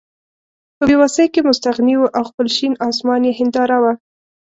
په بې وسۍ کې مستغني وو او خپل شین اسمان یې هېنداره وه.